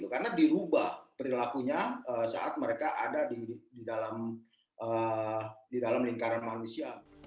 karena dirubah perilakunya saat mereka ada di dalam lingkaran manusia